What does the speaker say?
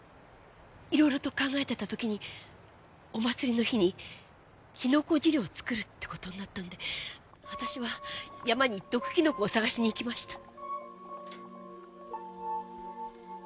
いろいろと考えてた時にお祭りの日にキノコ汁を作るってことになったので私は山に毒キノコを探しに行きました。